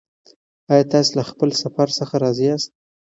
ایا تاسې له خپل سفر څخه راضي یاست؟